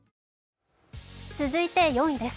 続いて４位です。